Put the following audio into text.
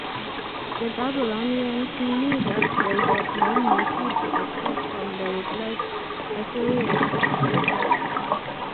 The Babylonians knew that they had no mercy to expect from the ruthless Assyrians.